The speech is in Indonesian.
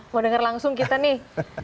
mau dengar langsung kita nih